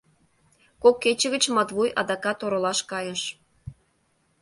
Кок кече гыч Матвуй адакат оролаш кайыш.